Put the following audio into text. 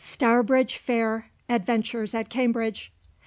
STOURBRIDGE FAIR ADVENTURES AT CAMBRIDGE.